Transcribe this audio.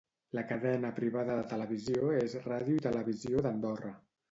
La cadena privada de televisió és Ràdio i Televisió d'Andorra.